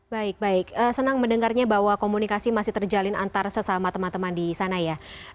baik baik senang mendengarnya bahwa komunikasi masih terjalin antar sesama teman teman di sana ya